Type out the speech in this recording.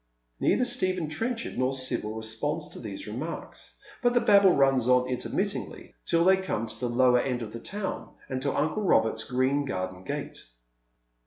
Neither Stephen Trenchard nor Sibyl responds to these remarks, but the babble runs on intermittingly till they come to the lower end of the town, and to uncle Robert's green garden gate.